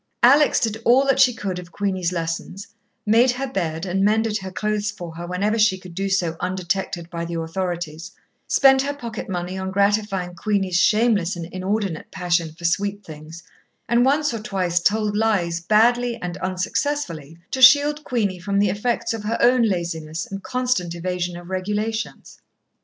Alex did all that she could of Queenie's lessons, made her bed and mended her clothes for her whenever she could do so undetected by the authorities, spent her pocket money on gratifying Queenie's shameless and inordinate passion for sweet things, and once or twice told lies badly and unsuccessfully, to shield Queenie from the effects of her own laziness and constant evasion of regulations.